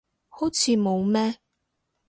好似冇咩